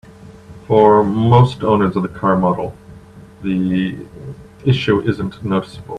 For most owners of the car model, the issue isn't noticeable.